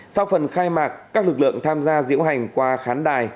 sau phần khai mạc các lực lượng tham gia diễu hành qua khán đài